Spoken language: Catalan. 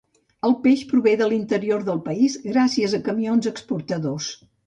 El peix prové de l'interior del país gràcies a camions exportadors.